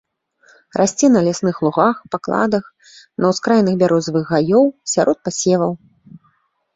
Расце на лясных лугах, пакладах, на ўскраінах бярозавых гаёў, сярод пасеваў.